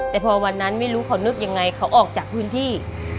แต่พอวันนั้นไม่รู้เขานึกยังไงเขาออกจากพื้นที่